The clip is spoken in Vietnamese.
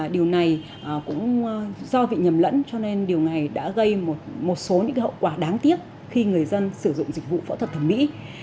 điều này cũng do bị nhầm lẫn cho nên điều này đã gây một số những hậu quả đáng tiếc khi người dân sử dụng dịch vụ phẫu thuật thẩm mỹ